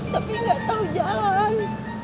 tapi nggak tahu jalan